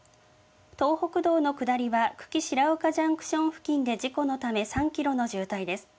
東北道の下りは久喜白岡ジャンクション付近で事故のため、３キロの渋滞です。